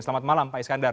selamat malam pak iskandar